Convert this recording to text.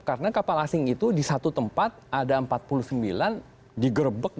karena kapal asing itu di satu tempat ada empat puluh sembilan digerebek